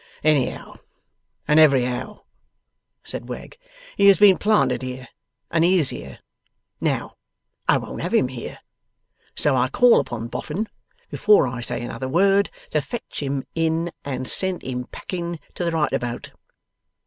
'Anyhow, and every how,' said Wegg, 'he has been planted here, and he is here. Now, I won't have him here. So I call upon Boffin, before I say another word, to fetch him in and send him packing to the right about.